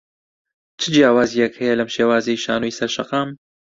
چ جیاوازییەک هەیە لەم شێوازەی شانۆی سەر شەقام؟